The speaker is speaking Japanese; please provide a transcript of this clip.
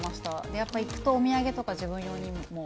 やっぱり行くと、お土産とか、自分用にも。